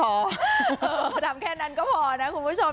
พอทำแค่นั้นก็พอนะคุณผู้ชม